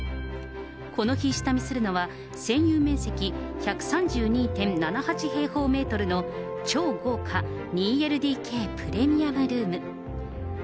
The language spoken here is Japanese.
この日下見するのは、専有面積１３２．７８平方メートルの超豪華２ＬＤＫプレミアムルーム。